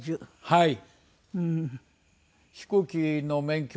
はい。